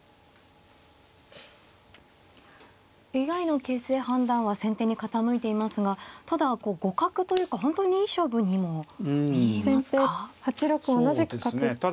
ＡＩの形勢判断は先手に傾いていますがただ互角というか本当にいい勝負にも見えますか。